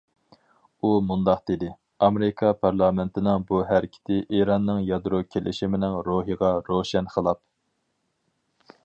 ئۇ مۇنداق دېدى: ئامېرىكا پارلامېنتىنىڭ بۇ ھەرىكىتى ئىراننىڭ يادرو كېلىشىمىنىڭ روھىغا روشەن خىلاپ.